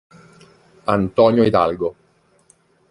Antonio Hidalgo